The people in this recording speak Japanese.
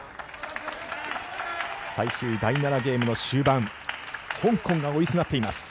最終第７ゲームの終盤香港が追いすがっています。